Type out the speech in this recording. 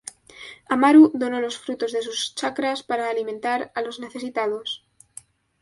Amaru donó los frutos de sus chacras para alimentar a los necesitados.